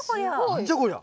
何じゃこりゃ。